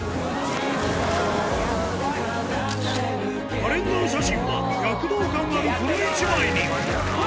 カレンダー写真は、躍動感ある、この一枚に。